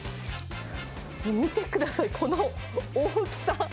見てください、この大きさ。